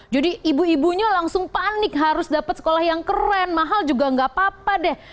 jadi ibu ibunya langsung panik harus dapat sekolah yang keren mahal juga enggak apa apa deh